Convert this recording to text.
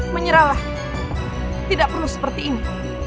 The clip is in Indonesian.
menyerahlah tidak perlu seperti ini